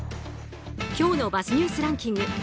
今日のＢｕｚｚニュースランキング。